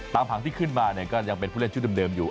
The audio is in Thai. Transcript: ตามผังที่ขึ้นมาก็ยังเป็นผู้เล่นชื่อดำเดิมอยู่